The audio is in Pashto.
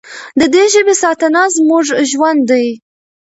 د دې ژبې ساتنه زموږ ژوند دی.